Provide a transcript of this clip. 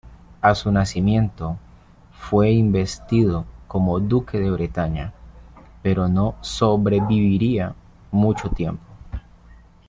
A su nacimiento, fue investido como Duque de Bretaña, pero no sobreviviría mucho tiempo.